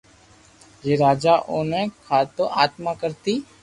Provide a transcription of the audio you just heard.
جي راجا اوني ڪآتو آتما ڪرتي